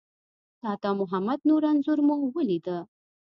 د عطامحمد نور انځور مو ولیده.